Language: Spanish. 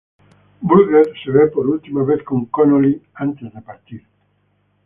Bulger se ve por última vez con Connolly antes de partir.